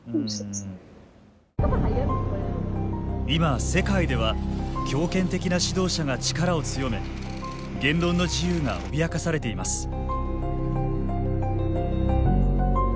今、世界では強権的な指導者が力を強め言論の自由が脅かされています。